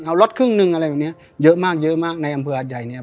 เอารถครึ่งนึงอะไรแบบนี้เยอะมากในอำเภอหัดใหญ่เนี่ย